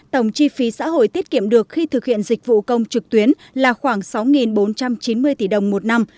tổng chi phí xã hội tiết kiệm được khi thực hiện dịch vụ công trực tuyến là khoảng sáu bốn trăm chín mươi tỷ đồng một năm